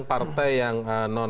kenapa kita undang undang